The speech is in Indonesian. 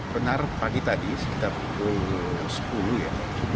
benar pagi tadi sekitar pukul sepuluh ya